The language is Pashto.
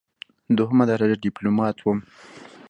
دوهمه درجه ډیپلوماټ وم.